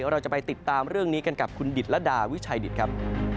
เราจะไปติดตามเรื่องนี้กันกับคุณดิตรดาวิชัยดิตครับ